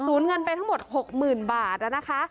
โอนเงินไปทั้งหมด๖หมื่นบาทแล้วนะคะ